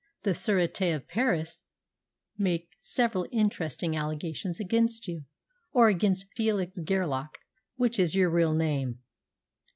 The Sûreté of Paris make several interesting allegations against you or against Felix Gerlach, which is your real name."